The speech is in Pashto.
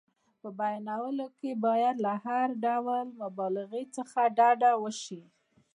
په بیانولو کې باید له هر ډول مبالغې څخه ډډه وشي.